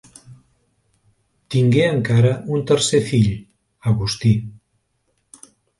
Tingué encara un tercer fill, Agustí.